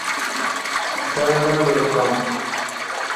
Te nebiriqand.